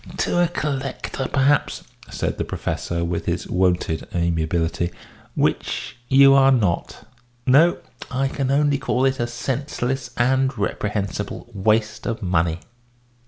"To a collector, perhaps," said the Professor, with his wonted amiability, "which you are not. No, I can only call it a senseless and reprehensible waste of money."